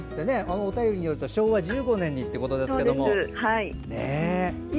お便りにあった、昭和１５年にということでしたが。